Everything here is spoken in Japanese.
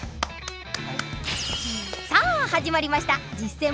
さあ始まりました「実践！